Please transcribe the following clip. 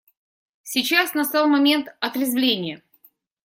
Сейчас настал момент отрезвления.